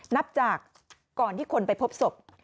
นับจากก่อนที่คนไปพบศพ